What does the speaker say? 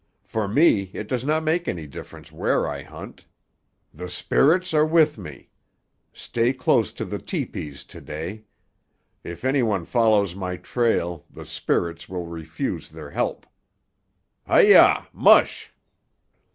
"For me it does not make any difference where I hunt; the spirits are with me. Stay close to the tepees to day. If any one follows my trail the spirits will refuse their help. Hi yah! Mush!"